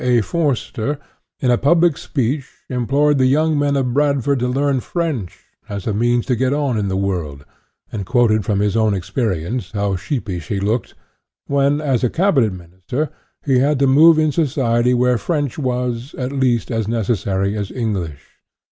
A. Forster, in a public speech implored the young men of Bradford to learn French, as a means to get on in the world, and quoted from his own experience how sheepish he looked when, as a Cabinet Minister, he had to move in society where French was, at least, as necessary as Eng lish